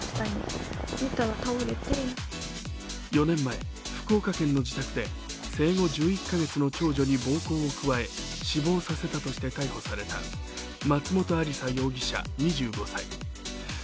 ４年前、福岡県の自宅で生後１１カ月の長女に暴行を加え、死亡させたとして逮捕された松本亜里沙容疑者２５歳。